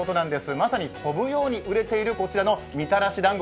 まさに飛ぶように売れているこちらのみたらしだんご